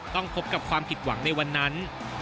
พบกับความผิดหวังในวันนั้น